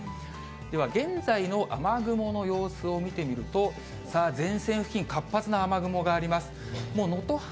では、現在の雨雲の様子を見てみると、さあ、前線付近、活発な雨雲があります。